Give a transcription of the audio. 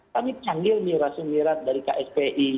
kami panggil nih rasul mirat dari kspi